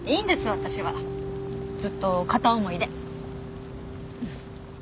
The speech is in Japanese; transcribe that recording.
私はずっと片思いで。